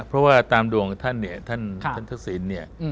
เพราะว่าตามดวงท่านทักศิลป์